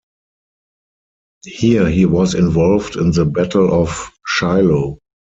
Here he was involved in the battle of Shiloh.